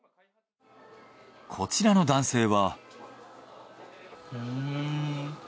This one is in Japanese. こちらの男性は。